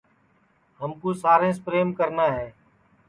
ہمکُو ساریںٚس پریم کرنا ہے